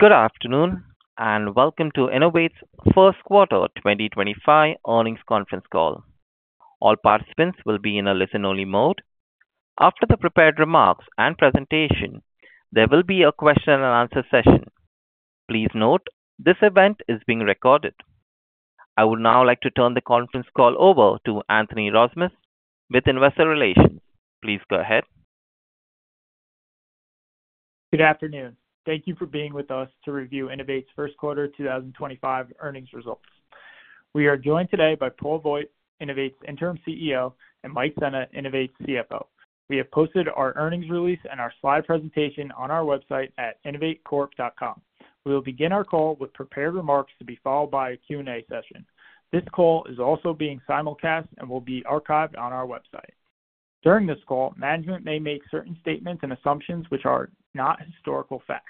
Good afternoon and welcome to Innovate's First Quarter 2025 Earnings Conference Call. All participants will be in a listen-only mode. After the prepared remarks and presentation, there will be a question-and-answer session. Please note this event is being recorded. I would now like to turn the conference call over to Anthony Rozmus with Investor Relations. Please go ahead. Good afternoon. Thank you for being with us to review Innovate's First Quarter 2025 Earnings Results. We are joined today by Paul Voigt, Innovate's Interim CEO, and Mike Sena, Innovate's CFO. We have posted our earnings release and our slide presentation on our website at innovatecorp.com. We will begin our call with prepared remarks to be followed by a Q&A session. This call is also being simulcast and will be archived on our website. During this call, management may make certain statements and assumptions which are not historical facts.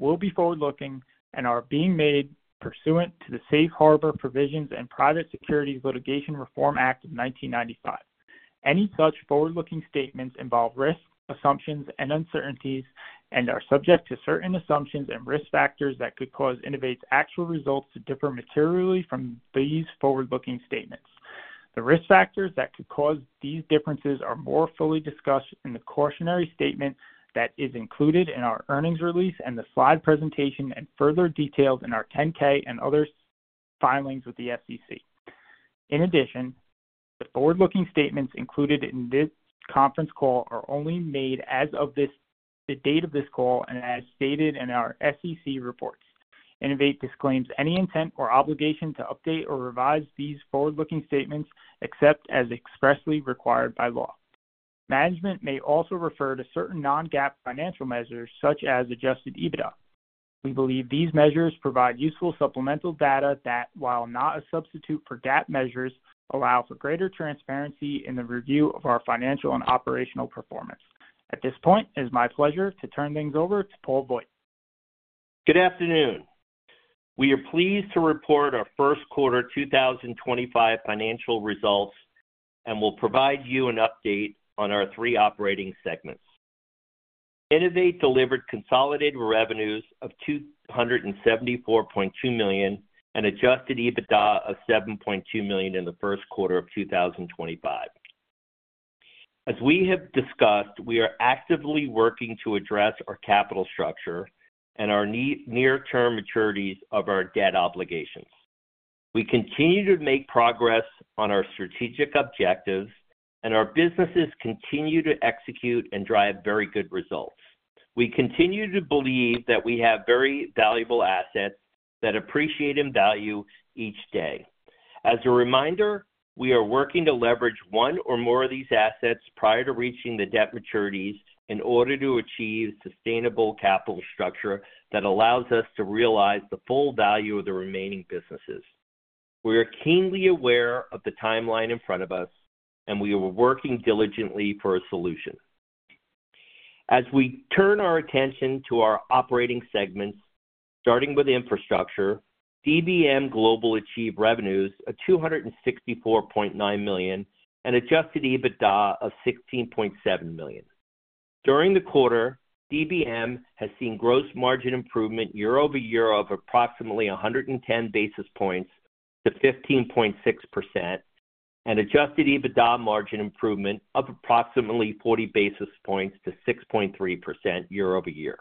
We'll be forward-looking and are being made pursuant to the Safe Harbor Provisions and Private Securities Litigation Reform Act of 1995. Any such forward-looking statements involve risks, assumptions, and uncertainties, and are subject to certain assumptions and risk factors that could cause Innovate's actual results to differ materially from these forward-looking statements. The risk factors that could cause these differences are more fully discussed in the cautionary statement that is included in our earnings release and the slide presentation and further details in our 10-K and other filings with the SEC. In addition, the forward-looking statements included in this conference call are only made as of the date of this call and as stated in our SEC reports. Innovate disclaims any intent or obligation to update or revise these forward-looking statements except as expressly required by law. Management may also refer to certain non-GAAP financial measures such as adjusted EBITDA. We believe these measures provide useful supplemental data that, while not a substitute for GAAP measures, allow for greater transparency in the review of our financial and operational performance. At this point, it is my pleasure to turn things over to Paul Voigt. Good afternoon. We are pleased to report our First Quarter 2025 Financial Results and will provide you an update on our three operating segments. Innovate delivered consolidated revenues of $274.2 million and adjusted EBITDA of $7.2 million in the first quarter of 2025. As we have discussed, we are actively working to address our capital structure and our near-term maturities of our debt obligations. We continue to make progress on our strategic objectives, and our businesses continue to execute and drive very good results. We continue to believe that we have very valuable assets that appreciate in value each day. As a reminder, we are working to leverage one or more of these assets prior to reaching the debt maturities in order to achieve a sustainable capital structure that allows us to realize the full value of the remaining businesses. We are keenly aware of the timeline in front of us, and we are working diligently for a solution. As we turn our attention to our operating segments, starting with infrastructure, DBM Global achieved revenues of $264.9 million and adjusted EBITDA of $16.7 million. During the quarter, DBM has seen gross margin improvement year-over-year of approximately 110 basis points to 15.6% and adjusted EBITDA margin improvement of approximately 20 basis points to 6.3% year-over-year.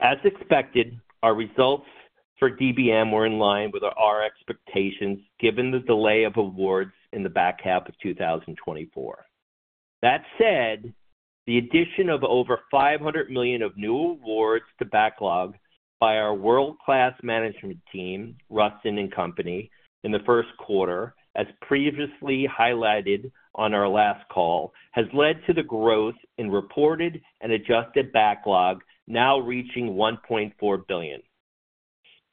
As expected, our results for DBM were in line with our expectations given the delay of awards in the back half of 2024. That said, the addition of over $500 million of new awards to backlog by our world-class management team, Rustin & Company, in the first quarter, as previously highlighted on our last call, has led to the growth in reported and adjusted backlog now reaching $1.4 billion.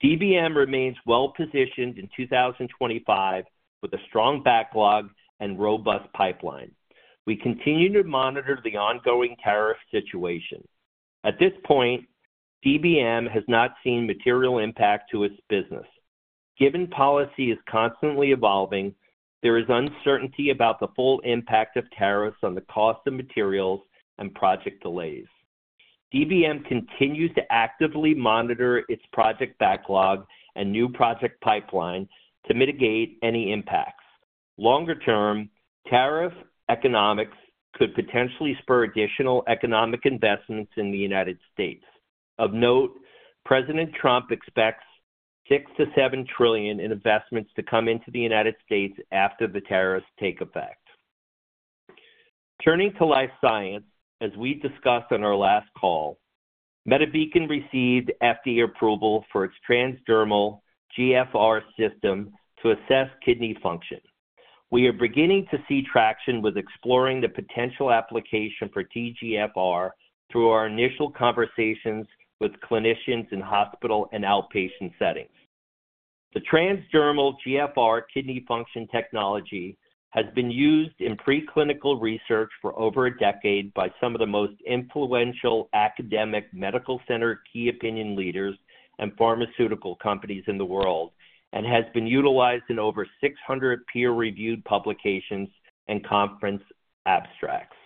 DBM remains well-positioned in 2025 with a strong backlog and robust pipeline. We continue to monitor the ongoing tariff situation. At this point, DBM has not seen material impact to its business. Given policy is constantly evolving, there is uncertainty about the full impact of tariffs on the cost of materials and project delays. DBM continues to actively monitor its project backlog and new project pipeline to mitigate any impacts. Longer-term, tariff economics could potentially spur additional economic investments in the United States. Of note, President Trump expects $6 trillion-$7 trillion in investments to come into the United States after the tariffs take effect. Turning to life science, as we discussed on our last call, MediBeacon received FDA approval for its transdermal GFR system to assess kidney function. We are beginning to see traction with exploring the potential application for TGFR through our initial conversations with clinicians in hospital and outpatient settings. The transdermal GFR kidney function technology has been used in preclinical research for over a decade by some of the most influential academic medical center key opinion leaders and pharmaceutical companies in the world and has been utilized in over 600 peer-reviewed publications and conference abstracts.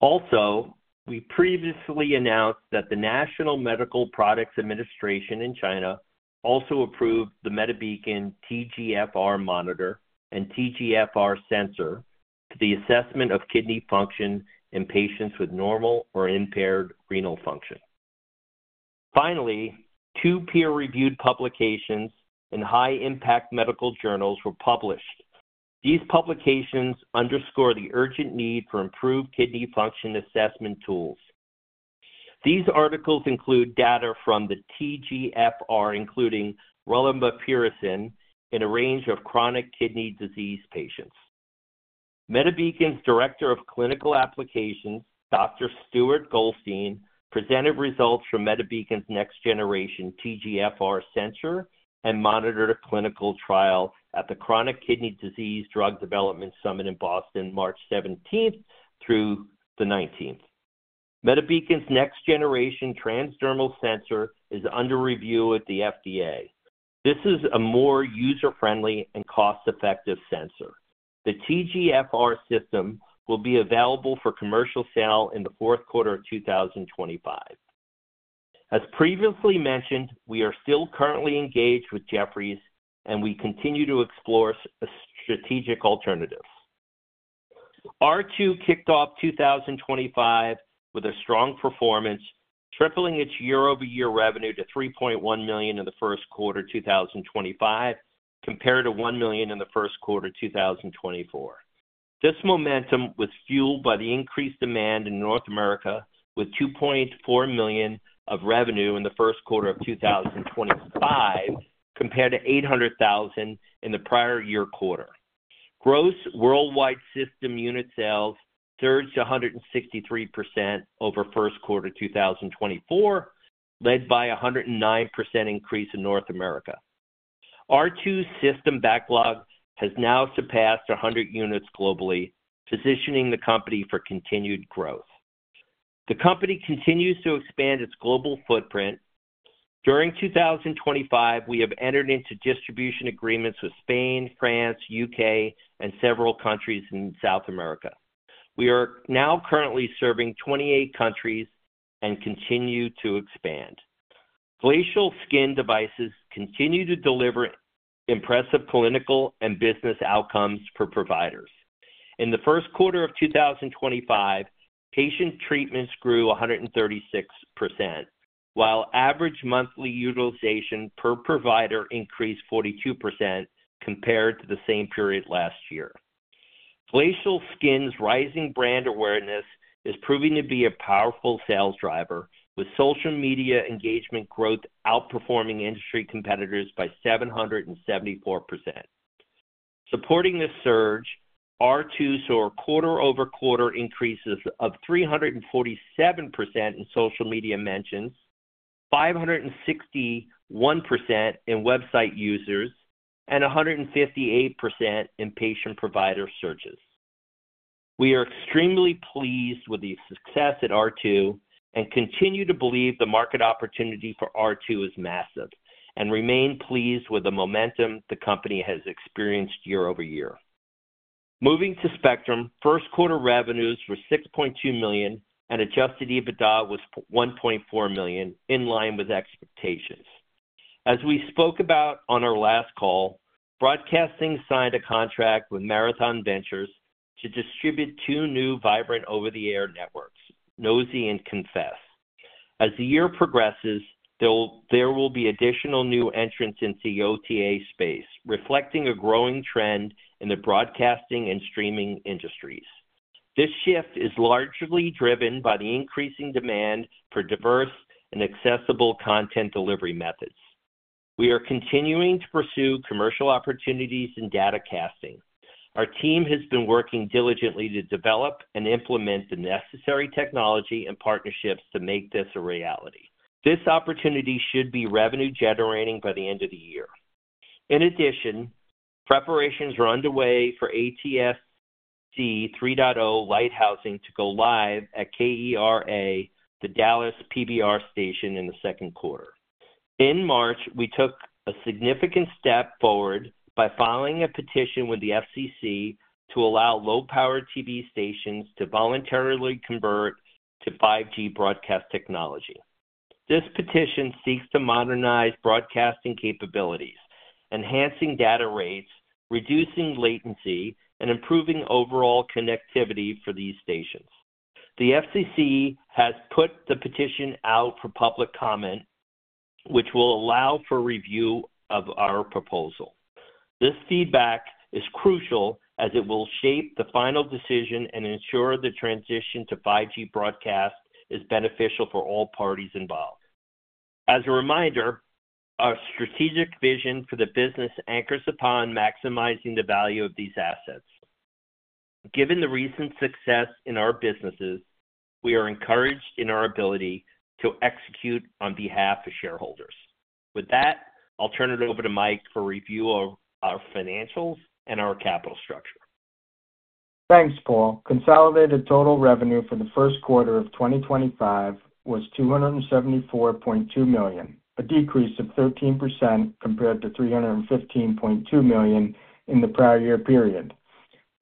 Also, we previously announced that the National Medical Products Administration in China also approved the MediBeacon TGFR monitor and TGFR sensor for the assessment of kidney function in patients with normal or impaired renal function. Finally, two peer-reviewed publications in high-impact medical journals were published. These publications underscore the urgent need for improved kidney function assessment tools. These articles include data from the TGFR, including rolinapril buciricin in a range of chronic kidney disease patients. MediBeacon's Director of Clinical Applications, Dr. Stuart Goldstein, presented results from MediBeacon's Next Generation TGFR sensor and monitored a clinical trial at the Chronic Kidney Disease Drug Development Summit in Boston March 17th through the 19th. MediBeacon's Next Generation transdermal sensor is under review at the FDA. This is a more user-friendly and cost-effective sensor. The TGFR system will be available for commercial sale in the fourth quarter of 2025. As previously mentioned, we are still currently engaged with Jefferies, and we continue to explore strategic alternatives. R2 kicked off 2025 with a strong performance, tripling its year-over-year revenue to $3.1 million in the first quarter of 2025 compared to $1 million in the first quarter of 2024. This momentum was fueled by the increased demand in North America with $2.4 million of revenue in the first quarter of 2025 compared to $800,000 in the prior year quarter. Gross worldwide system unit sales surged to 163% over first quarter 2024, led by a 109% increase in North America. R2's system backlog has now surpassed 100 units globally, positioning the company for continued growth. The company continues to expand its global footprint. During 2025, we have entered into distribution agreements with Spain, France, the U.K., and several countries in South America. We are now currently serving 28 countries and continue to expand. Glacial Skin devices continue to deliver impressive clinical and business outcomes for providers. In the first quarter of 2025, patient treatments grew 136%, while average monthly utilization per provider increased 42% compared to the same period last year. Glacial Skin's rising brand awareness is proving to be a powerful sales driver, with social media engagement growth outperforming industry competitors by 774%. Supporting this surge, R2 saw quarter-over-quarter increases of 347% in social media mentions, 561% in website users, and 158% in patient-provider searches. We are extremely pleased with the success at R2 and continue to believe the market opportunity for R2 is massive and remain pleased with the momentum the company has experienced year-over-year. Moving to Spectrum, first quarter revenues were $6.2 million and adjusted EBITDA was $1.4 million, in line with expectations. As we spoke about on our last call, Broadcasting signed a contract with Marathon Ventures to distribute two new vibrant over-the-air networks, Nosey and Confess. As the year progresses, there will be additional new entrants into the OTA space, reflecting a growing trend in the broadcasting and streaming industries. This shift is largely driven by the increasing demand for diverse and accessible content delivery methods. We are continuing to pursue commercial opportunities in data casting. Our team has been working diligently to develop and implement the necessary technology and partnerships to make this a reality. This opportunity should be revenue-generating by the end of the year. In addition, preparations are underway for ATSC 3.0 lighthousing to go live at KERA, the Dallas PBS station in the second quarter. In March, we took a significant step forward by filing a petition with the FCC to allow low-power TV stations to voluntarily convert to 5G broadcast technology. This petition seeks to modernize broadcasting capabilities, enhancing data rates, reducing latency, and improving overall connectivity for these stations. The FCC has put the petition out for public comment, which will allow for review of our proposal. This feedback is crucial as it will shape the final decision and ensure the transition to 5G broadcast is beneficial for all parties involved. As a reminder, our strategic vision for the business anchors upon maximizing the value of these assets. Given the recent success in our businesses, we are encouraged in our ability to execute on behalf of shareholders. With that, I'll turn it over to Mike for review of our financials and our capital structure. Thanks, Paul. Consolidated total revenue for the first quarter of 2025 was $274.2 million, a decrease of 13% compared to $315.2 million in the prior year period.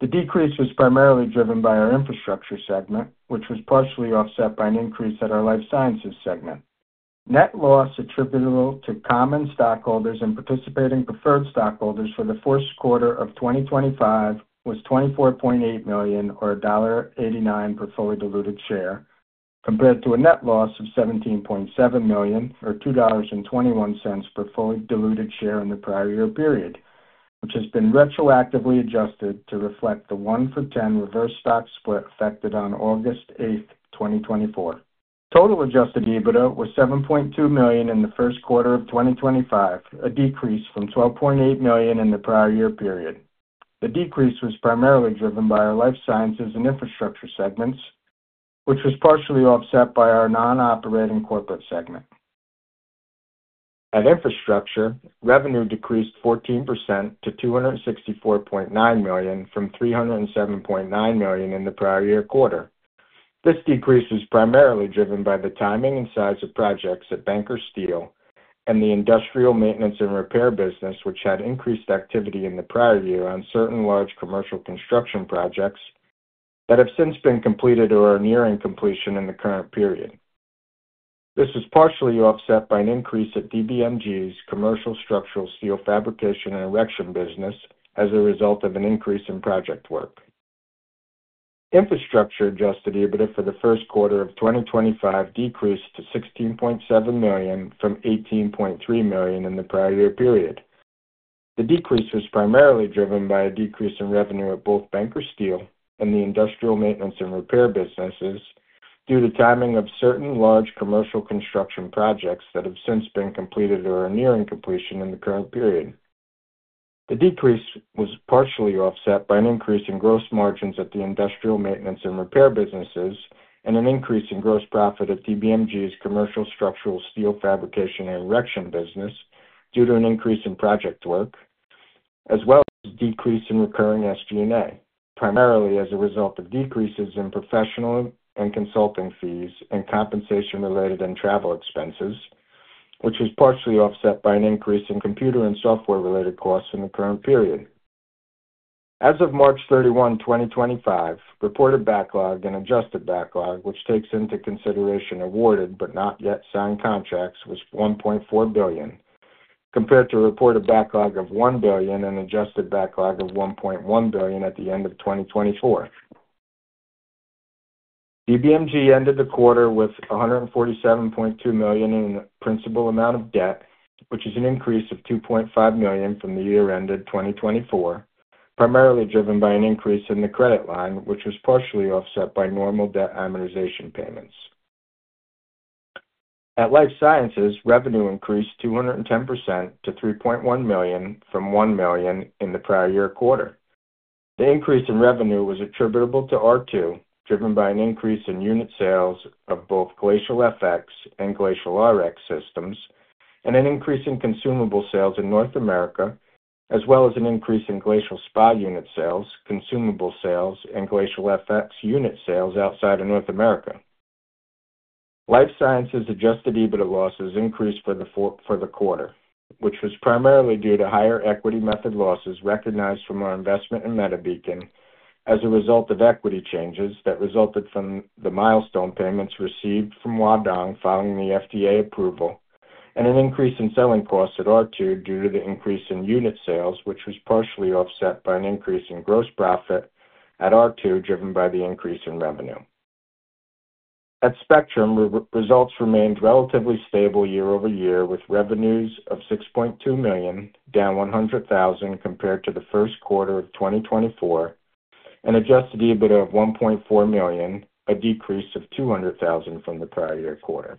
The decrease was primarily driven by our infrastructure segment, which was partially offset by an increase in our life sciences segment. Net loss attributable to common stockholders and participating preferred stockholders for the first quarter of 2025 was $24.8 million, or $1.89 per fully diluted share, compared to a net loss of $17.7 million, or $2.21 per fully diluted share in the prior year period, which has been retroactively adjusted to reflect the 1-for-10 reverse stock split effected on August 8, 2024. Total adjusted EBITDA was $7.2 million in the first quarter of 2025, a decrease from $12.8 million in the prior year period. The decrease was primarily driven by our life sciences and infrastructure segments, which was partially offset by our non-operating corporate segment. At infrastructure, revenue decreased 14% to $264.9 million from $307.9 million in the prior year quarter. This decrease was primarily driven by the timing and size of projects at Banker Steel and the industrial maintenance and repair business, which had increased activity in the prior year on certain large commercial construction projects that have since been completed or are nearing completion in the current period. This was partially offset by an increase at DBMG's commercial structural steel fabrication and erection business as a result of an increase in project work. Infrastructure adjusted EBITDA for the first quarter of 2025 decreased to $16.7 million from $18.3 million in the prior year period. The decrease was primarily driven by a decrease in revenue at both Banker Steel and the industrial maintenance and repair businesses due to timing of certain large commercial construction projects that have since been completed or are nearing completion in the current period. The decrease was partially offset by an increase in gross margins at the industrial maintenance and repair businesses and an increase in gross profit at DBMG's commercial structural steel fabrication and erection business due to an increase in project work, as well as a decrease in recurring SG&A, primarily as a result of decreases in professional and consulting fees and compensation-related and travel expenses, which was partially offset by an increase in computer and software-related costs in the current period. As of March 31, 2025, reported backlog and adjusted backlog, which takes into consideration awarded but not yet signed contracts, was $1.4 billion, compared to a reported backlog of $1 billion and adjusted backlog of $1.1 billion at the end of 2024. DBMG ended the quarter with $147.2 million in principal amount of debt, which is an increase of $2.5 million from the year-ended 2024, primarily driven by an increase in the credit line, which was partially offset by normal debt amortization payments. At life sciences, revenue increased 210% to $3.1 million from $1 million in the prior year quarter. The increase in revenue was attributable to R2, driven by an increase in unit sales of both Glacial fx and Glacial rx systems, and an increase in consumable sales in North America, as well as an increase in Glacial Spa unit sales, consumable sales, and Glacial fx unit sales outside of North America. Life sciences adjusted EBITDA losses increased for the quarter, which was primarily due to higher equity method losses recognized from our investment in MediBeacon as a result of equity changes that resulted from the milestone payments received from Wa Dong following the FDA approval, and an increase in selling costs at R2 due to the increase in unit sales, which was partially offset by an increase in gross profit at R2 driven by the increase in revenue. At Spectrum, results remained relatively stable year-over-year, with revenues of $6.2 million down $100,000 compared to the first quarter of 2024 and adjusted EBITDA of $1.4 million, a decrease of $200,000 from the prior year quarter.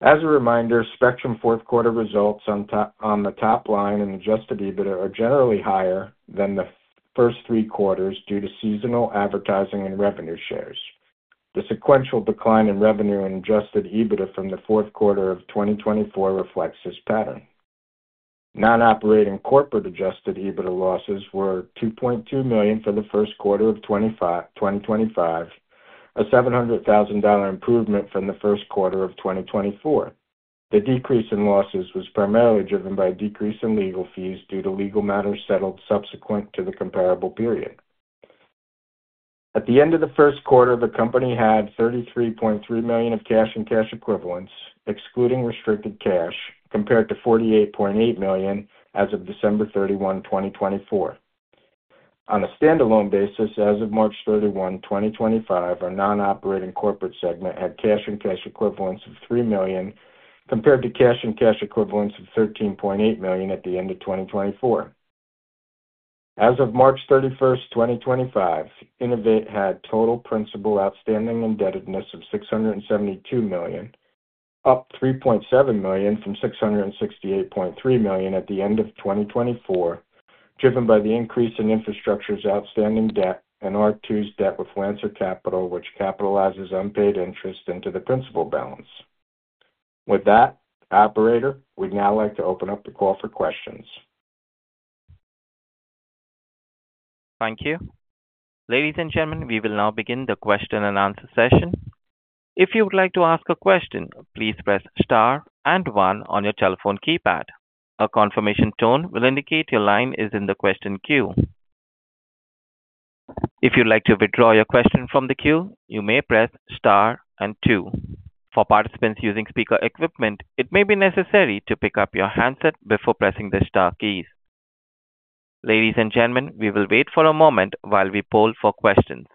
As a reminder, Spectrum fourth quarter results on the top line and adjusted EBITDA are generally higher than the first three quarters due to seasonal advertising and revenue shares. The sequential decline in revenue and adjusted EBITDA from the fourth quarter of 2024 reflects this pattern. Non-operating corporate adjusted EBITDA losses were $2.2 million for the first quarter of 2025, a $700,000 improvement from the first quarter of 2024. The decrease in losses was primarily driven by a decrease in legal fees due to legal matters settled subsequent to the comparable period. At the end of the first quarter, the company had $33.3 million of cash and cash equivalents, excluding restricted cash, compared to $48.8 million as of December 31, 2024. On a standalone basis, as of March 31, 2025, our non-operating corporate segment had cash and cash equivalents of $3 million compared to cash and cash equivalents of $13.8 million at the end of 2024. As of March 31, 2025, Innovate had total principal outstanding indebtedness of $672 million, up $3.7 million from $668.3 million at the end of 2024, driven by the increase in infrastructure's outstanding debt and R2's debt with Lancer Capital, which capitalizes unpaid interest into the principal balance. With that, Operator, we'd now like to open up the call for questions. Thank you. Ladies and gentlemen, we will now begin the question and answer session. If you would like to ask a question, please press star and one on your telephone keypad. A confirmation tone will indicate your line is in the question queue. If you'd like to withdraw your question from the queue, you may press star and two. For participants using speaker equipment, it may be necessary to pick up your handset before pressing the star keys. Ladies and gentlemen, we will wait for a moment while we poll for questions.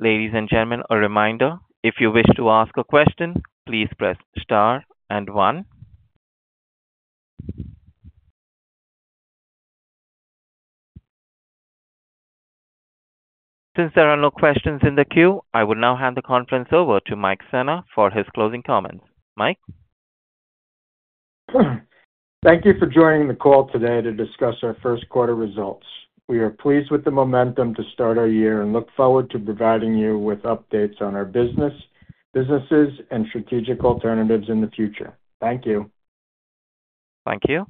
Ladies and gentlemen, a reminder, if you wish to ask a question, please press star and one. Since there are no questions in the queue, I will now hand the conference over to Mike Sena for his closing comments. Mike. Thank you for joining the call today to discuss our first quarter results. We are pleased with the momentum to start our year and look forward to providing you with updates on our businesses and strategic alternatives in the future. Thank you. Thank you.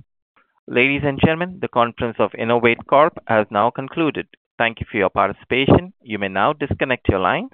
Ladies and gentlemen, the conference of Innovate Corp has now concluded. Thank you for your participation. You may now disconnect your line.